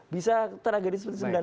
bisa teraget seperti sembilan puluh delapan